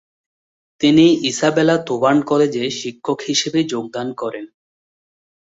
তিনি Isabella Thoburn কলেজে শিক্ষক হিসেবে যোগদান করেন।